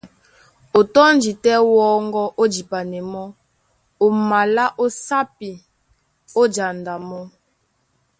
O tɔ́ndi tɛ́ wɔ́ŋgɔ́ ó jipanɛ mɔ́, o malá ó sápi, ó janda mɔ́.